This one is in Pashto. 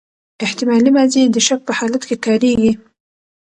احتمالي ماضي د شک په حالت کښي کاریږي.